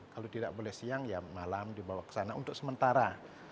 kalau tidak boleh siang ya malam dibawa ke sana untuk sementara